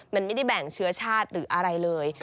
มันไม่ได้แบ่งเชื้อชาติหรืออะไรเลย